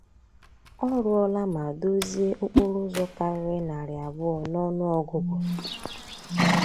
Ọ rụọla ma dozie okporoụzọ karịrị narị abụọ n'ọnụọgụgụ